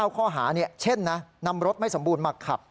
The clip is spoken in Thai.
ข้อหาเช่นนำรถไม่สมบูรณ์มาขับ